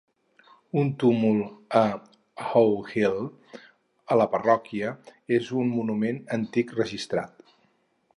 Un túmul a Howe Hill, a la parròquia, és un monument antic registrat.